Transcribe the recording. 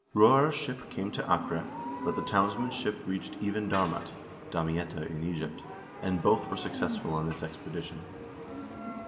2 Roar's ship came to Acre, but the townsmen's ship reached even Darmat (Damietta in Egypt), and both were successful on this expedition."